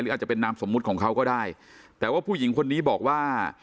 อาจจะเป็นนามสมมุติของเขาก็ได้แต่ว่าผู้หญิงคนนี้บอกว่า